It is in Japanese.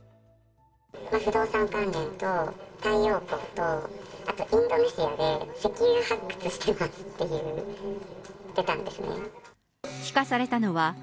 不動産関連と太陽光と、あとインドネシアで石油発掘してますって言ってたんですね。